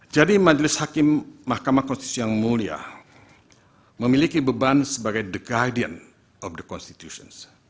jadi majelis hakim mahkamah konstitusi yang mulia memiliki beban sebagai the guardian of the constitution